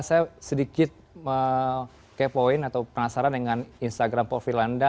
saya sedikit kepoin atau penasaran dengan instagram profil anda